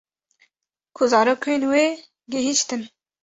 Ku zarokên wê gihîştin